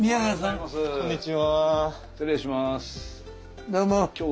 こんにちは。